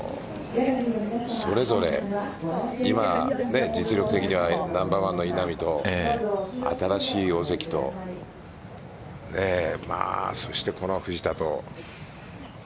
それぞれ今実力的にはナンバーワンの稲見と新しい尾関とこの藤田と。